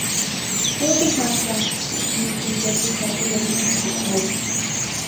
Go to San Francisco, and you get that psychedelic-music vibe.